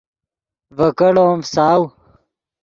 ڤے کیڑو ام فساؤ